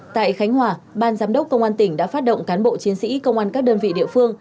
tại khánh hòa ban giám đốc công an tỉnh đã phát động cán bộ chiến sĩ công an các đơn vị địa phương